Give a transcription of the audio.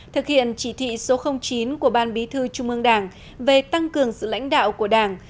thực hiện chỉ thị số chín của ban bí thư trung ương đảng về tăng cường sự lãnh đạo của đảng